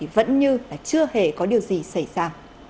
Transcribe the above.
vẫn như chưa hề có điều gì xảy ra